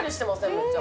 めっちゃ。